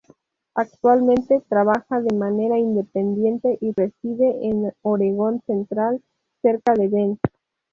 Actualmente trabaja de manera independiente y reside en Oregon Central, cerca de Bend.